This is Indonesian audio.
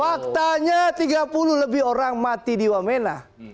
faktanya tiga puluh lebih orang mati di wamena